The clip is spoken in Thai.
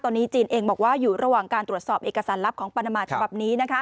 ตอนนี้จีนเองบอกว่าอยู่ระหว่างการตรวจสอบเอกสารลับของปานามาฉบับนี้